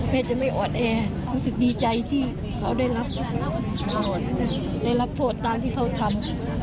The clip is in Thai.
จะไม่อ่อนแอรู้สึกดีใจที่เขาได้รับได้รับโทษตามที่เขาทำ